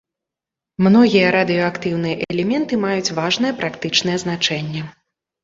Многія радыеактыўныя элементы маюць важнае практычнае значэнне.